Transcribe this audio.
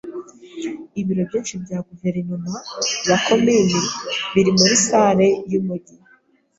Ibiro byinshi bya guverinoma ya komini biri muri salle yumujyi.